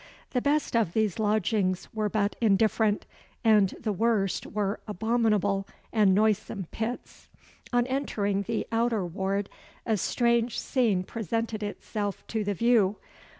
The best of these lodgings were but indifferent; and the worst were abominable and noisome pits. On entering the outer ward, a strange scene presented itself to the view.